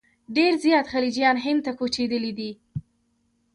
ډېر زیات خلجیان هند ته کوچېدلي دي.